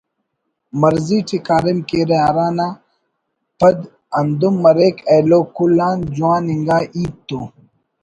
مرضی ٹی کاریم کیرہ ہرانا پد ہندن مریک ایلو کل آن جوان انگا ہیت تو